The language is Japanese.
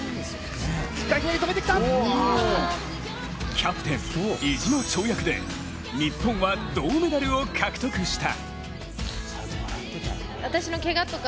キャプテン意地の跳躍で日本は銅メダルを獲得した。